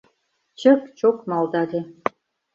«Чык-чок» малдале.